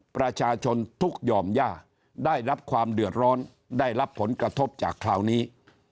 ประชาชนทุกข์หย่อมย่าได้รับความเดือดร้อนได้รับผลกระทบจากคราวนี้